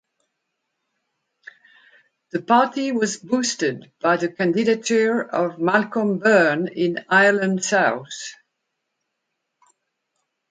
The party was boosted by the candidature of Malcolm Byrne in Ireland South.